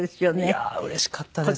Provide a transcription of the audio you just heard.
いやあうれしかったですね。